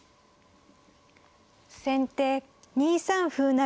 先手２三歩成。